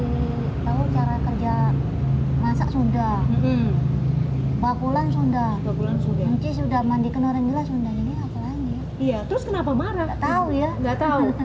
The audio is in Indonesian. nggak tahu tiba tiba aja marah